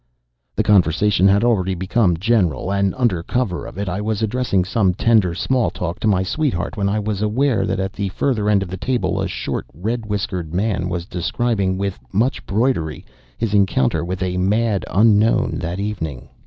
The conversation had already become general; and under cover of it, I was addressing some tender small talk to my sweetheart when I was aware that at the further end of the table a short red whiskered man was describing, with much broidery, his encounter with a mad unknown that evening.